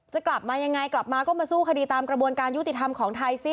จะกลับมายังไงกลับมาก็มาสู้คดีตามกระบวนการยุติธรรมของไทยสิ